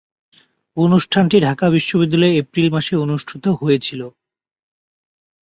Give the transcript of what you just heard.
অনুষ্ঠানটি ঢাকা বিশ্ববিদ্যালয়ে এপ্রিল মাসে অনুষ্ঠিত হয়েছিলো।